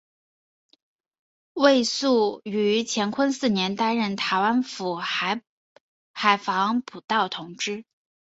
魏素于乾隆四年担任台湾府海防补盗同知。